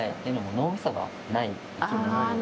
脳みそがない生き物なので。